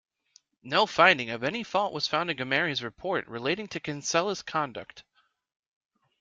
No finding of any fault was found in Gomery's report relating to Kinsella's conduct.